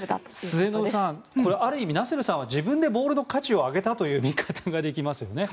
末延さん、ある意味ナセルさんは自分でボールの価値を上げたという見方ができますよね。